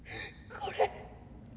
これ。